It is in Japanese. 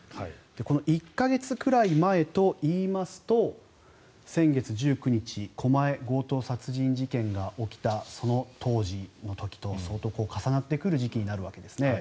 この１か月くらい前といいますと先月１９日、狛江強盗殺人事件が起きたその当時の時と相当重なってくる時期になるわけですね。